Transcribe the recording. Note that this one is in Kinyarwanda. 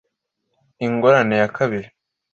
Ingorane ya kabiri